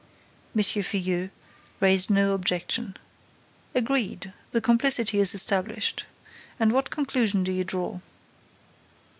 M. Filleul raised no objection. "Agreed. The complicity is established. And what conclusion do you draw?"